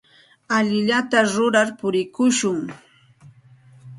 Allinllata rurar purikushun.